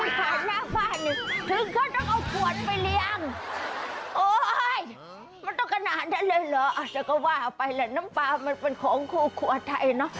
โอ้ยมันต้องกระหน่านได้เลยเหรอแต่ก็ว่าไปแล้วน้ำปลามันเป็นของคู่ขวดไทยเนอะ